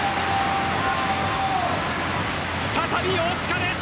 再び大塚です。